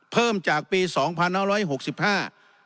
เพิ่มจากปี๒๕๖๕บาท